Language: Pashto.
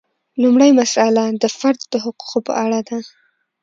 لومړۍ مسئله د فرد د حقوقو په اړه ده.